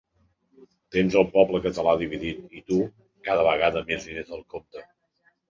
Tens el poble català dividit i tu, cada vegada més diners al compte.